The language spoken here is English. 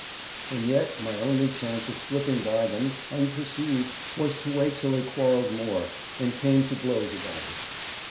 And yet my only chance of slipping by them unperceived was to wait till they quarreled more, and came to blows about it.